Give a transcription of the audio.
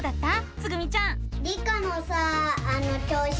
つぐみちゃん。